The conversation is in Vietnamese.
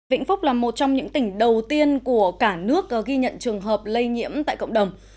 vĩnh phúc là một trong những tỉnh đầu tiên của cả nước ghi nhận trường hợp lây nhiễm tại cộng đồng